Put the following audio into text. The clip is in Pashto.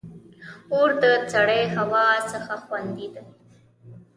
• اور د سړې هوا څخه خوندي کړل.